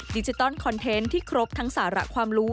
ดิจิตอลคอนเทนต์ที่ครบทั้งสาระความรู้